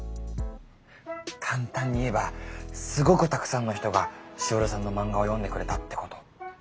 簡単に言えばすごくたくさんの人がしおりさんの漫画を読んでくれたってこと。